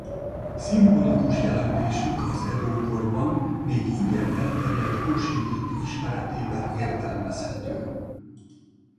Szimbolikus jelentésük az Edo-korban még igen elterjedt kósin-hit ismeretében értelmezhető.